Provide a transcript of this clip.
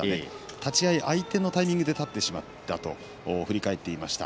立ち合い相手のタイミングで立ってしまったと振り返っていました。